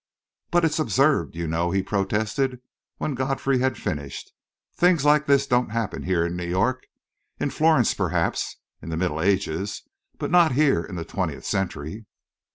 "But it's absurd, you know!" he protested, when Godfrey had finished. "Things like this don't happen here in New York. In Florence, perhaps, in the Middle Ages; but not here in the twentieth century!"